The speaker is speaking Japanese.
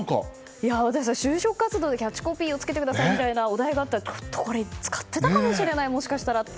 就職活動でキャッチコピーを作ってくださいみたいなお題があったらこれを使ってたかもしれないって。